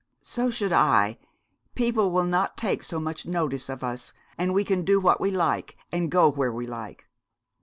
'So should I. People will not take so much notice of us, and we can do what we like, and go where we like.'